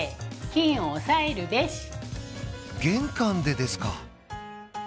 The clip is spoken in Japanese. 玄関でですか？